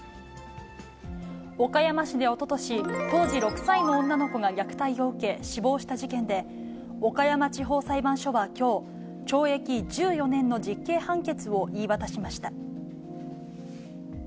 岡山市でおととし、当時６歳の女の子が虐待を受け、死亡した事件で、岡山地方裁判所はきょう、懲役１４年の実刑判決を言い渡しました。